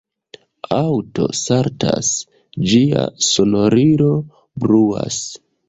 Aŭto saltas, ĝia sonorilo bruas